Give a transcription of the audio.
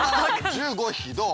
１５匹どう？